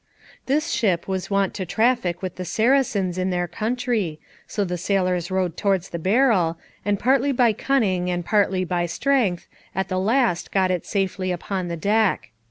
This ship was wont to traffic with the Saracens in their country, so the sailors rowed towards the barrel, and partly by cunning and partly by strength, at the last got it safely upon the deck.